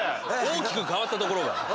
大きく変わったところが。